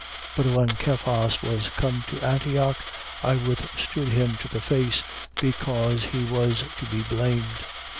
2:11. But when Cephas was come to Antioch, I withstood him to the face, because he was to be blamed.